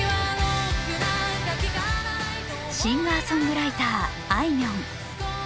シンガーソングライターあいみょん。